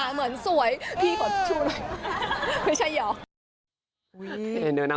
เหมือนสวยพี่ขอชุด